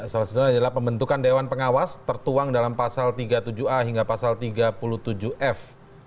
salah satunya adalah pembentukan dewan pengawas tertuang dalam pasal tiga puluh tujuh a hingga pasal tiga puluh tujuh f